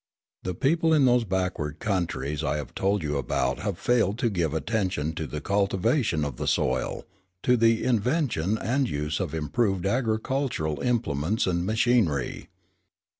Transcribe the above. The people in those backward countries I have told you about have failed to give attention to the cultivation of the soil, to the invention and use of improved agricultural implements and machinery.